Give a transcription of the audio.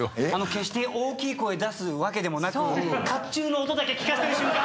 決して大きい声出すわけでもなく甲冑の音だけ聞かせてる瞬間。